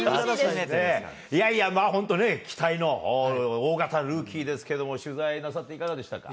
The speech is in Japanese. いやいや、まあ、本当ね、期待の大型ルーキーですけども、取材なさって、いかがでしたか？